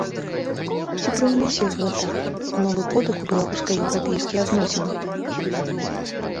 Ці прыўнясе гэта новы подых у беларуска-еўрапейскія адносіны?